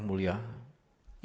ini adalah materi